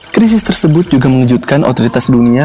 krisis tersebut juga mengejutkan otoritas dunia